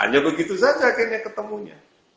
hanya begitu saja akhirnya ketemunya